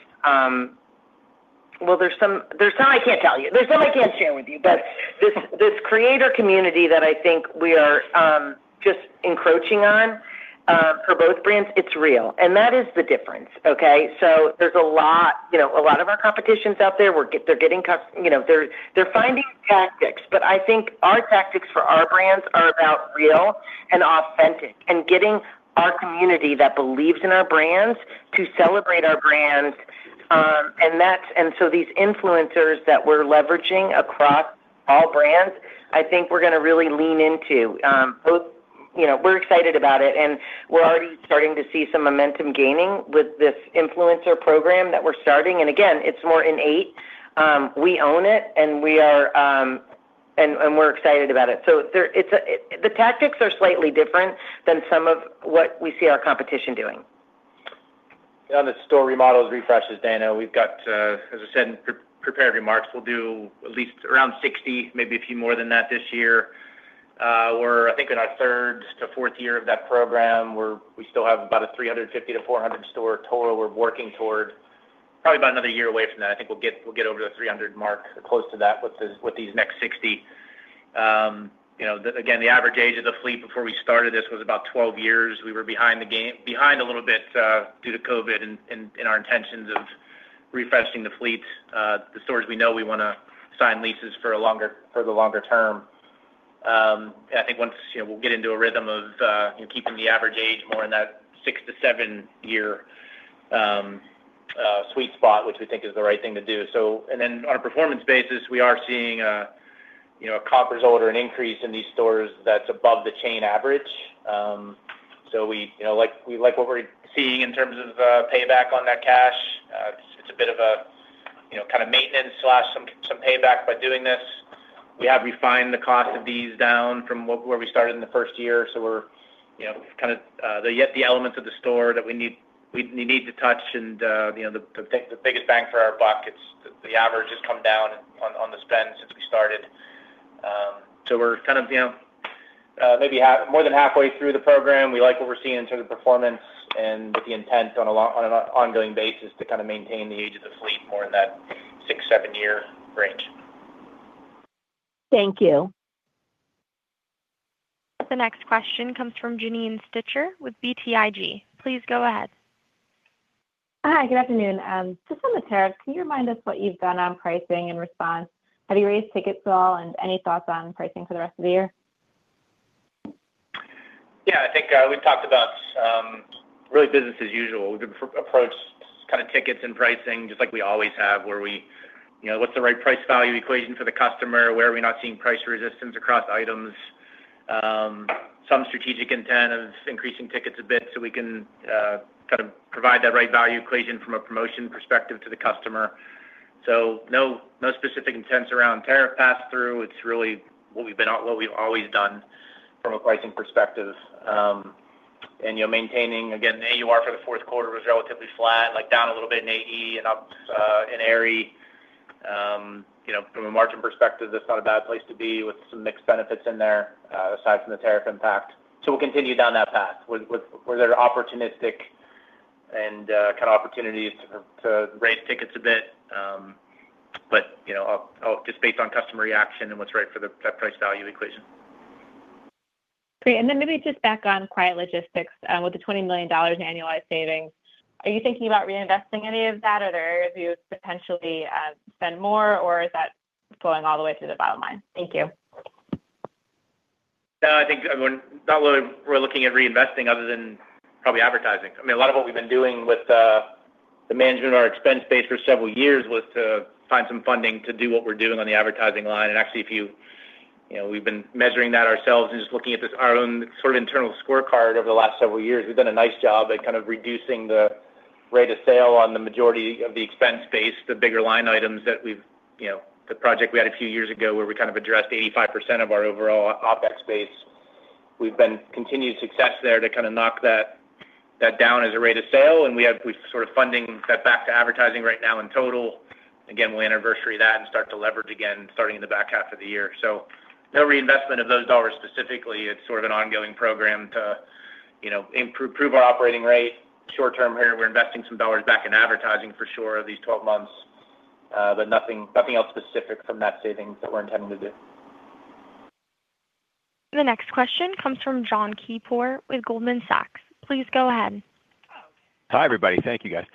Well, there's some, there's some I can't tell you. There's some I can't share with you. But this creator community that I think we are just encroaching on for both brands, it's real. That is the difference, okay? There's a lot, you know, a lot of our competition's out there. they're getting you know, they're finding tactics. I think our tactics for our brands are about real and authentic and getting our community that believes in our brands to celebrate our brands. These influencers that we're leveraging across all brands, I think we're gonna really lean into. You know, we're excited about it, and we're already starting to see some momentum gaining with this influencer program that we're starting. Again, it's more innate. We own it, and we are. We're excited about it. The tactics are slightly different than some of what we see our competition doing. On the store remodels, refreshes, Dana, we've got, as I said in pre-prepared remarks, we'll do at least around 60, maybe a few more than that this year. We're I think in our third to fourth year of that program. We still have about a 350-400 store total we're working toward. Probably about another year away from that. I think we'll get over the 300 mark or close to that with these next 60. You know, again, the average age of the fleet before we started this was about 12 years. We were behind the game, behind a little bit, due to COVID in our intentions of refreshing the fleet. The stores we know we wanna sign leases for the longer term. I think once, you know, we'll get into a rhythm of, you know, keeping the average age more in that six-seven year sweet spot, which we think is the right thing to do. On a performance basis, we are seeing, you know, a comp result or an increase in these stores that's above the chain average. We, you know, like, we like what we're seeing in terms of payback on that cash. It's a bit of, you know, kind of maintenance/some payback by doing this. We have refined the cost of these down from where we started in the first year. We're, you know, we've kind of, they're yet the elements of the store that we need, we need to touch and, you know, the biggest bang for our buck. It's the average has come down on the spend since we started. We're kind of, you know, more than halfway through the program. We like what we're seeing in terms of performance and with the intent on an ongoing basis to kind of maintain the age of the fleet more in that six, seven year range. Thank you. The next question comes from Janine Stichter with BTIG. Please go ahead. Hi, good afternoon. Just on the tariffs, can you remind us what you've done on pricing in response? Have you raised tickets at all? Any thoughts on pricing for the rest of the year? I think we've talked about really business as usual. We've approached kind of tickets and pricing just like we always have, where we, you know, what's the right price value equation for the customer? Where are we not seeing price resistance across items? Some strategic intent of increasing tickets a bit so we can kind of provide that right value equation from a promotion perspective to the customer. No, no specific intents around tariff pass-through. It's really what we've always done from a pricing perspective. You know, maintaining, again, the AUR for the fourth quarter was relatively flat, like down a little bit in AE and up in Aerie. You know, from a margin perspective, that's not a bad place to be with some mixed benefits in there, aside from the tariff impact. We'll continue down that path with where there are opportunistic and kind of opportunities to raise tickets a bit. You know, I'll just based on customer reaction and what's right for that price value equation. Great. Maybe just back on Quiet Logistics, with the $20 million annualized savings, are you thinking about reinvesting any of that? Are there areas you would potentially spend more, or is that flowing all the way to the bottom line? Thank you. No, I think, everyone, not really we're looking at reinvesting other than probably advertising. I mean, a lot of what we've been doing with the management of our expense base for several years was to find some funding to do what we're doing on the advertising line. Actually, You know, we've been measuring that ourselves and just looking at this, our own sort of internal scorecard over the last several years. We've done a nice job at kind of reducing the rate of sale on the majority of the expense base, the bigger line items that we've. You know, the project we had a few years ago where we kind of addressed 85% of our overall OpEx base. We've been continued success there to kinda knock that down as a rate of sale, and we've sort of funding that back to advertising right now in total. We'll anniversary that and start to leverage again, starting in the back half of the year. No reinvestment of those dollars specifically. It's sort of an ongoing program to, you know, improve our operating rate. Short term here, we're investing some dollars back in advertising for sure these 12 months, but nothing else specific from that savings that we're intending to do. The next question comes from John Kernan with Goldman Sachs. Please go ahead. Hi, everybody. Thank you, guys.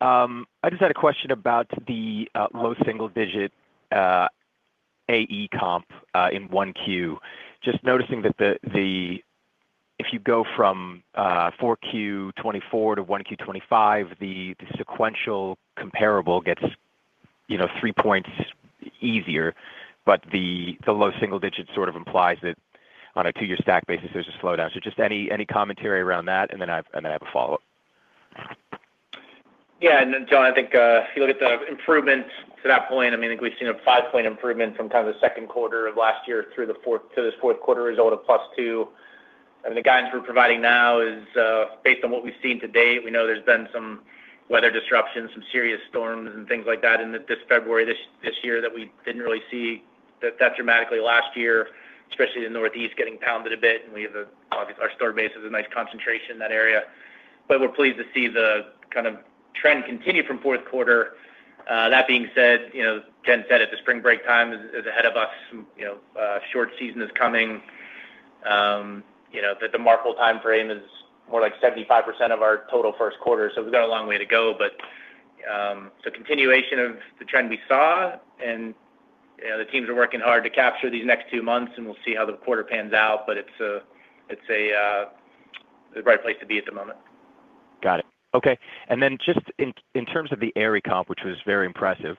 I just had a question about the low single-digit AE comp in 1Q. Just noticing that if you go from 4Q 2024 to 1Q 2025, the sequential comparable gets, you know, 3-points easier, but the low single-digit sort of implies that on a two-year stack basis, there's a slowdown. Just any commentary around that, and then I have a follow-up. Yeah. John, I think, if you look at the improvements to that point, I mean, I think we've seen a 5-point improvement from kind of the second quarter of last year through the fourth quarter result of +2. The guidance we're providing now is based on what we've seen to date. We know there's been some weather disruptions, some serious storms and things like that in this February, this year that we didn't really see that dramatically last year, especially the Northeast getting pounded a bit. We have our store base is a nice concentration in that area. We're pleased to see the kind of trend continue from fourth quarter. That being said, you know, Jen said it, the spring break time is ahead of us. You know, short season is coming. You know, the mark whole timeframe is more like 75% of our total first quarter, so we've got a long way to go. Continuation of the trend we saw and, you know, the teams are working hard to capture these next two months, and we'll see how the quarter pans out. It's a, the right place to be at the moment. Got it. Okay. Just in terms of the Aerie comp, which was very impressive,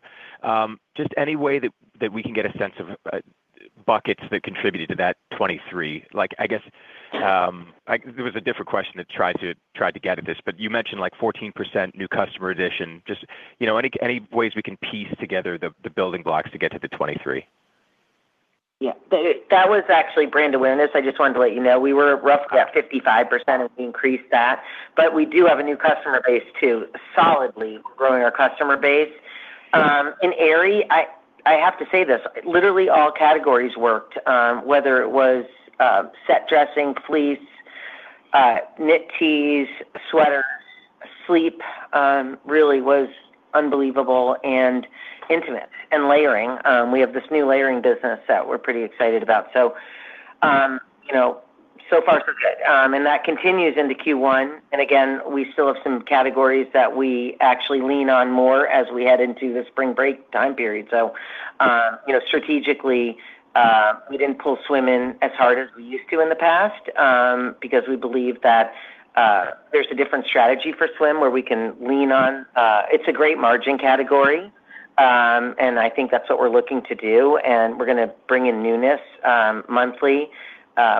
just any way that we can get a sense of buckets that contributed to that 23? Like, I guess, There was a different question to try to get at this, but you mentioned, like, 14% new customer addition. Just, you know, any ways we can piece together the building blocks to get to the 23? That was actually brand awareness. I just wanted to let you know. We were roughly at 55% of the increased that, but we do have a new customer base too. Solidly growing our customer base. In Aerie, I have to say this, literally all categories worked, whether it was set dressing, fleece, knit tees, sweaters, sleep, really was unbelievable and intimate and layering. We have this new layering business that we're pretty excited about. you know, so far so good. That continues into Q1. Again, we still have some categories that we actually lean on more as we head into the spring break time period. You know, strategically, we didn't pull swim in as hard as we used to in the past, because we believe that there's a different strategy for swim where we can lean on... It's a great margin category, and I think that's what we're looking to do. We're gonna bring in newness, monthly,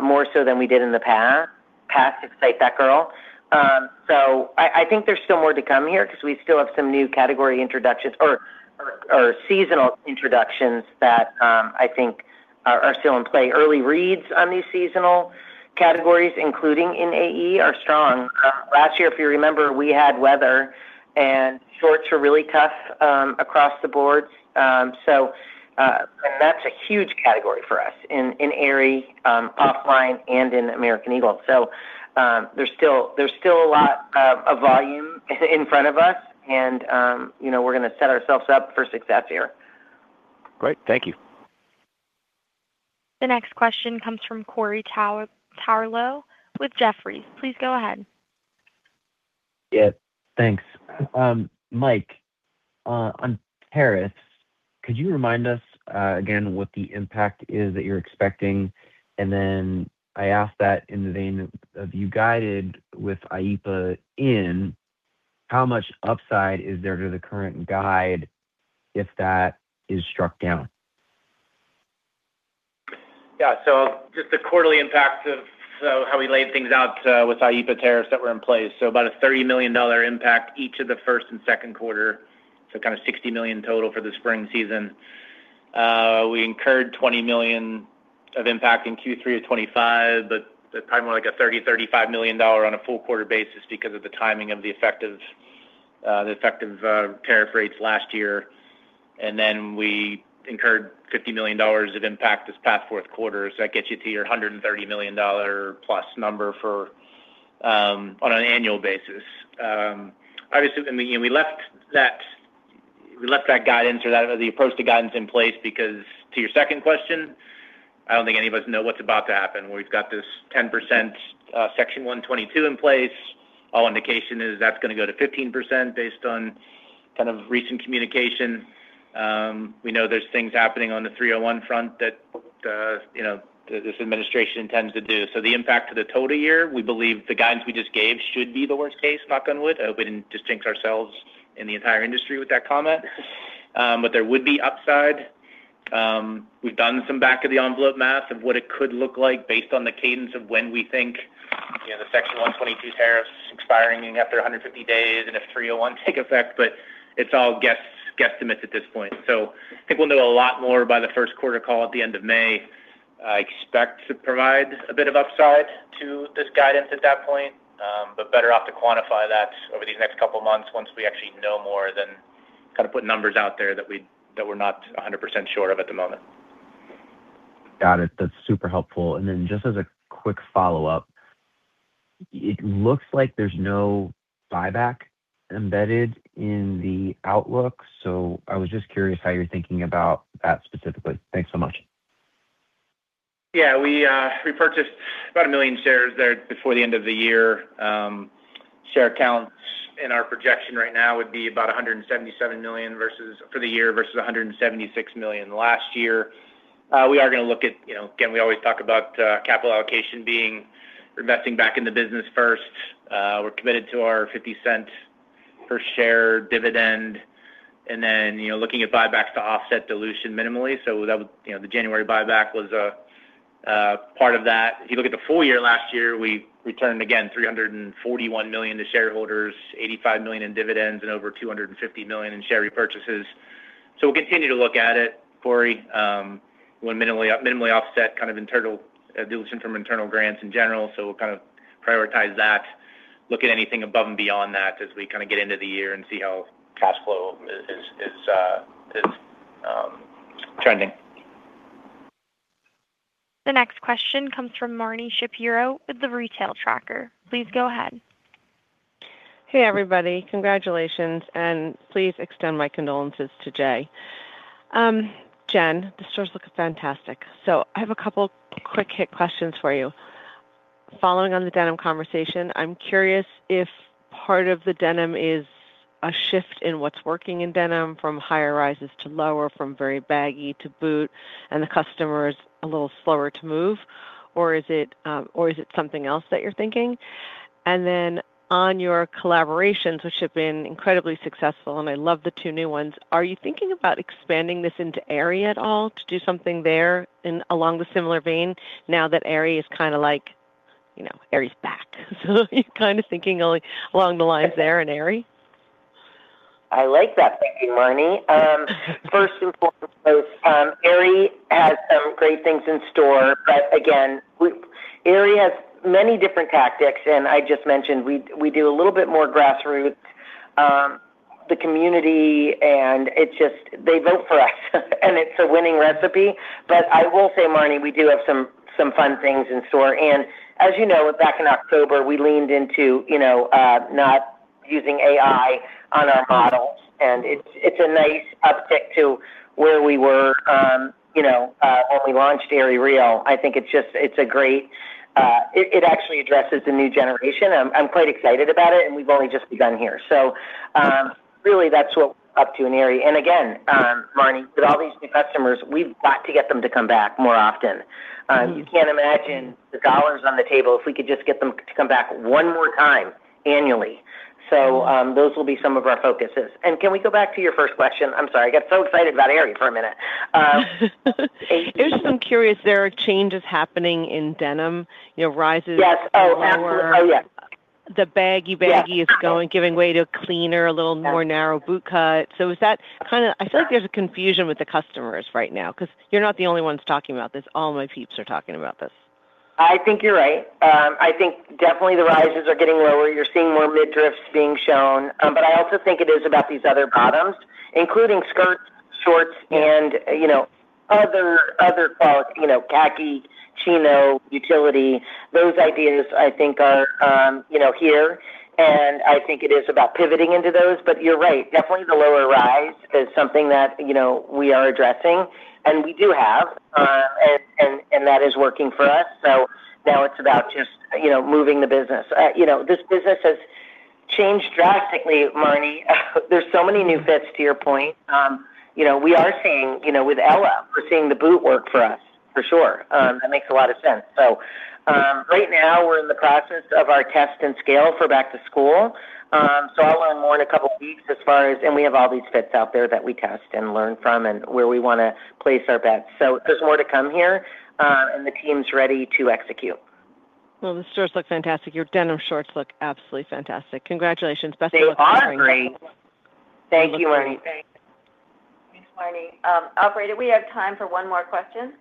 more so than we did in the past, to cite that girl. I think there's still more to come here because we still have some new category introductions or seasonal introductions that I think are still in play. Early reads on these seasonal categories, including in AE, are strong. Last year, if you remember, we had weather, and shorts were really tough, across the board. That's a huge category for us in Aerie, offline and in American Eagle. There's still a lot of volume in front of us and, you know, we're gonna set ourselves up for success here. Great. Thank you. The next question comes from Corey Tarlowe with Jefferies. Please go ahead. Yeah. Thanks. Mike, on tariffs, could you remind us again what the impact is that you're expecting? I ask that in the vein of, you guided with IEEPA in, how much upside is there to the current guide if that is struck down? Yeah. Just the quarterly impact of how we laid things out, with IEEPA tariffs that were in place. About a $30 million impact each of the first and second quarter, kinda $60 million total for the spring season. We incurred $20 million of impact in Q3 of 2025, but probably more like a $30 million-$35 million on a full quarter basis because of the timing of the effective, the effective tariff rates last year. We incurred $50 million of impact this past fourth quarter. That gets you to your $130 million plus number for on an annual basis. Obviously, we left that We left that guidance or that the approach to guidance in place because to your second question, I don't think any of us know what's about to happen. We've got this 10% section 122 in place. All indication is that's gonna go to 15% based on kind of recent communication. We know there's things happening on the 301 front that, you know, this administration tends to do. The impact to the total year, we believe the guidance we just gave should be the worst case, knock on wood. I hope I didn't distinct ourselves in the entire industry with that comment. But there would be upside. We've done some back-of-the-envelope math of what it could look like based on the cadence of when we think, you know, the section 122 tariffs expiring after 150 days and if 301 take effect, but it's all guess-guesstimates at this point. I think we'll know a lot more by the first quarter call at the end of May. I expect to provide a bit of upside to this guidance at that point, but better off to quantify that over these next couple of months once we actually know more than kinda put numbers out there that we're not 100% sure of at the moment. Got it. That's super helpful. Then just as a quick follow-up, it looks like there's no buyback embedded in the outlook. I was just curious how you're thinking about that specifically. Thanks so much. Yeah, we purchased about 1 million shares there before the end of the year. Share counts in our projection right now would be about 177 million for the year versus 176 million last year. We are gonna look at, you know, again, we always talk about, capital allocation being investing back in the business first. We're committed to our $0.50 per share dividend. You know, looking at buybacks to offset dilution minimally. That would, you know, the January buyback was part of that. If you look at the full year last year, we returned again $341 million to shareholders, $85 million in dividends, and over $250 million in share repurchases. We'll continue to look at it, Corey. We'll minimally offset kind of internal dilution from internal grants in general. We'll kind of prioritize that, look at anything above and beyond that as we kinda get into the year and see how cash flow is trending. The next question comes from Marni Shapiro with The Retail Tracker. Please go ahead. Hey, everybody. Congratulations, and please extend my condolences to Jay. Jen, the stores look fantastic. I have a couple quick hit questions for you. Following on the denim conversation, I'm curious if part of the denim is a shift in what's working in denim from higher rises to lower, from very baggy to boot, and the customer is a little slower to move. Is it something else that you're thinking? On your collaborations, which have been incredibly successful, and I love the two new ones. Are you thinking about expanding this into Aerie at all to do something there in along the similar vein now that Aerie is kinda like, you know, Aerie's back? Are you kinda thinking along the lines there in Aerie? I like that thinking, Marni. First and foremost, Aerie has some great things in store. Again, Aerie has many different tactics. I just mentioned we do a little bit more grassroots, the community, and it just they vote for us, and it's a winning recipe. I will say, Marni, we do have some fun things in store. As you know, back in October, we leaned into, you know, not using AI on our models. It's a nice uptick to where we were, you know, when we launched AerieREAL. I think it's a great. It actually addresses the new generation. I'm quite excited about it, and we've only just begun here. Really, that's what we're up to in Aerie. Again, Marni, with all these new customers, we've got to get them to come back more often. You can't imagine the dollars on the table if we could just get them to come back one more time annually. Those will be some of our focuses. Can we go back to your first question? I'm sorry. I got so excited about Aerie for a minute. It was just, I'm curious, there are changes happening in denim, you know, rises... Yes. Oh, absolutely. Oh, yes. The baggy giving way to a cleaner, a little more narrow boot cut. Is that kinda? I feel like there's a confusion with the customers right now because you're not the only ones talking about this. All my peeps are talking about this. I think you're right. I think definitely the rises are getting lower. You're seeing more midriffs being shown. I also think it is about these other bottoms, including skirts, shorts, and, you know, other fabrics, you know, khaki, chino, utility. Those ideas I think are, you know, here. I think it is about pivoting into those. You're right. Definitely the lower rise is something that, you know, we are addressing, and we do have. That is working for us. Now it's about just, you know, moving the business. You know, this business has changed drastically, Marni. There's so many new fits to your point. You know, with Ella, we're seeing the boot work for us, for sure. That makes a lot of sense. Right now we're in the process of our test and scale for back to school. I'll learn more in a couple of weeks as far as. We have all these fits out there that we test and learn from and where we wanna place our bets. There's more to come here, and the team's ready to execute. Well, the stores look fantastic. Your denim shorts look absolutely fantastic. Congratulations. Best of luck. They are great. Thank you, Marni. Thanks, Marni. Operator, we have time for one more question.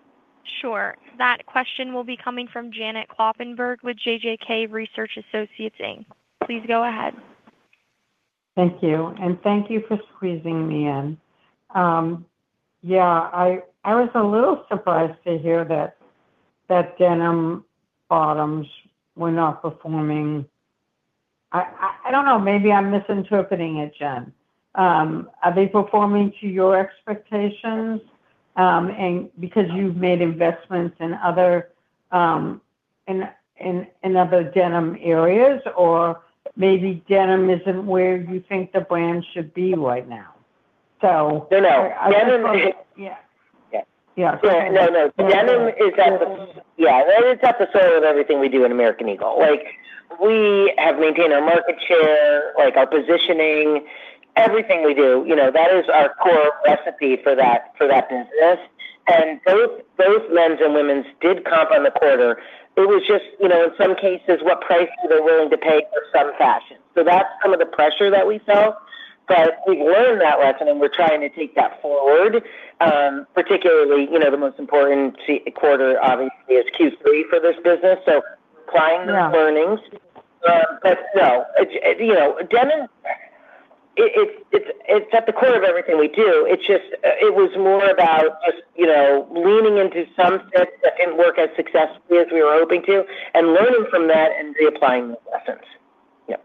Sure. That question will be coming from Janet Kloppenburg with JJK Research Associates, Inc. Please go ahead. Thank you, thank you for squeezing me in. yeah, I was a little surprised to hear that denim bottoms were not performing. I don't know. Maybe I'm misinterpreting it, Jen. Are they performing to your expectations, and because you've made investments in other in other denim areas? Or maybe denim isn't where you think the brand should be right now. Yeah. Yeah. Yeah. Yeah, that is at the center of everything we do in American Eagle. Like, we have maintained our market share, like our positioning, everything we do, you know. That is our core recipe for that, for that business. Both men's and women's did comp on the quarter. It was just, you know, in some cases, what price people are willing to pay for some fashion. That's some of the pressure that we felt. We've learned that lesson, and we're trying to take that forward, particularly, you know, the most important quarter obviously is Q3 for this business, so applying those learnings. No, it... You know, denim, it's, it's at the core of everything we do. It's just, it was more about just, you know, leaning into some steps that didn't work as successfully as we were hoping to and learning from that and reapplying those lessons. Yeah.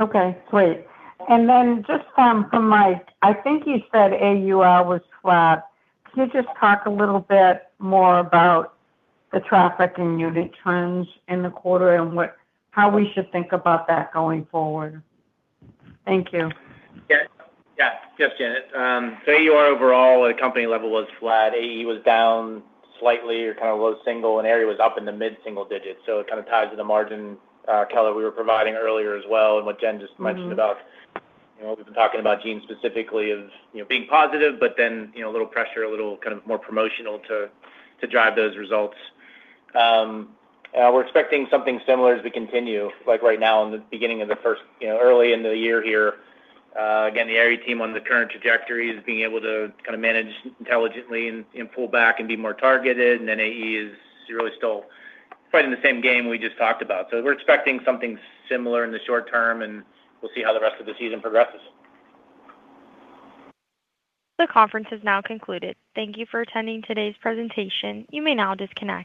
Okay. Great. Then just from Mike, I think you said AUR was flat. Can you just talk a little bit more about the traffic and unit trends in the quarter and how we should think about that going forward? Thank you. Yeah. Yeah. Yes, Janet. AUR overall at a company level was flat. AE was down slightly or kind of low single, Aerie was up in the mid-single digits. It kind of ties to the margin color we were providing earlier as well, and what Jen just mentioned about, you know, we've been talking about jeans specifically as, you know, being positive, but then, you know, a little pressure, a little kind of more promotional to drive those results. We're expecting something similar as we continue, like right now early into the year here. Again, the Aerie team on the current trajectory is being able to kind of manage intelligently and pull back and be more targeted. AE is really still fighting the same game we just talked about. We're expecting something similar in the short term, and we'll see how the rest of the season progresses. The conference has now concluded. Thank You for attending today's presentation. You may now disconnect.